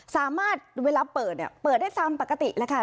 เวลาเปิดเนี่ยเปิดได้ตามปกติแล้วค่ะ